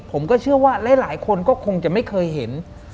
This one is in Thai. ผมก็เชื่อว่าหลายคนก็คงจะไม่เคยเห็น